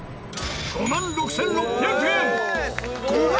「５万６６００円！？」